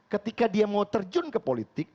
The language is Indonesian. ketika dia mau terjun ke politik